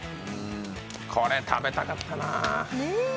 これ食べたかったな。